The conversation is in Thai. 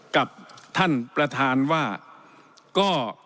กับท่านประธานว่าก็